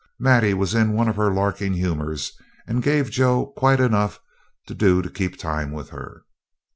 Maddie was in one of her larking humours, and gave Joe quite enough to do to keep time with her.